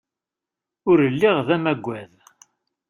Ur lliɣ d amagad.